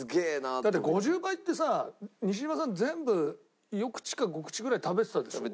だって５０倍ってさ西島さん全部４口か５口ぐらい食べてたでしょ？